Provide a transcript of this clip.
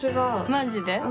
マジで？